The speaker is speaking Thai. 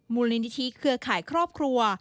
มูลนิธิเครือข่ายครอบครัว